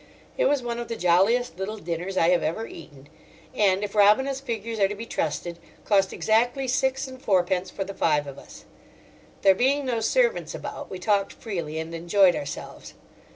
It was one of the jolliest little dinners I have ever eaten; and, if Robina's figures are to be trusted, cost exactly six and fourpence for the five of us. There being no servants about, we talked freely and enjoyed ourselves.